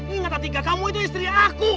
ingat atika kamu itu istri aku